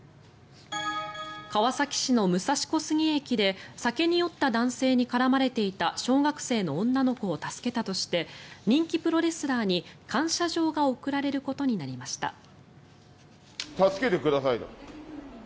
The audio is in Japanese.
川崎市の武蔵小杉駅で酒に酔った男性に絡まれていた小学生の女の子を助けたとして人気プロレスラーに感謝状が贈られることになりました。